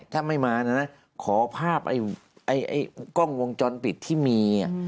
ถ้าไม่มานะขอภาพกล้องวงจรปิดที่มี